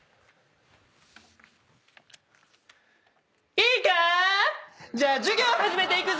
いいか⁉じゃあ授業始めていくぞ。